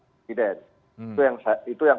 presiden itu yang